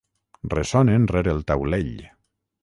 Ressonen rere el taulell.